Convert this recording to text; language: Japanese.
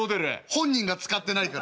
本人が使ってないから。